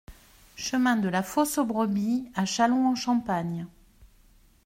Chemin de la Fosse aux Brebis à Châlons-en-Champagne